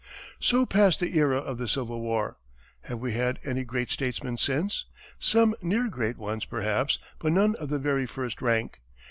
So passed the era of the Civil War. Have we had any great statesmen since? Some near great ones, perhaps, but none of the very first rank.